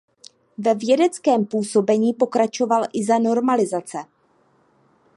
Ve vědeckém působení pokračoval i za normalizace.